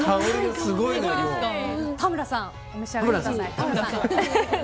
田村さんお召し上がりください。